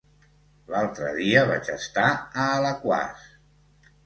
L'altre dia vaig estar a Alaquàs.